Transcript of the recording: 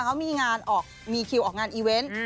เขามีคิวออกงานอีเวนต์